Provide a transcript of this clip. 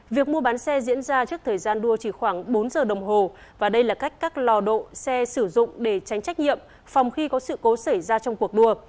việc mua bán xe diễn ra trước thời gian đua chỉ khoảng bốn giờ đồng hồ và đây là cách các lò độ xe sử dụng để tránh trách nhiệm phòng khi có sự cố xảy ra trong cuộc đua